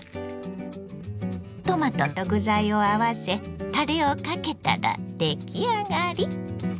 トマトと具材を合わせタレをかけたら出来上がり。